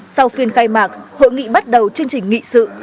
sau phiên khai mạc hội nghị bắt đầu chương trình nghị sự